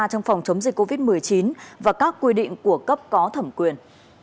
trong phòng chống dịch covid một mươi chín và các quy định của cấp có thẩm quyền